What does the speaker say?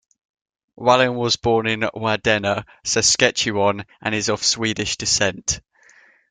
Wallin was born in Wadena, Saskatchewan, and is of Swedish descent.